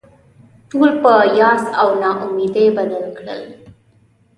ټول په یاس او نا امیدي بدل کړل.